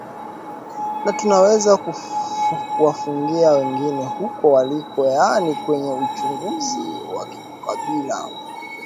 na tuneweza kuwafungia wengine huko waliko yaani kwenye uchaguzi wa kikabila